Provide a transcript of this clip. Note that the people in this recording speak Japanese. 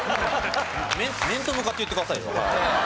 面と向かって言ってくださいよ。